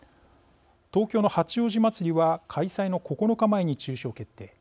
東京の八王子まつりは開催の９日前に中止を決定。